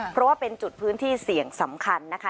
เพราะว่าเป็นจุดพื้นที่เสี่ยงสำคัญนะคะ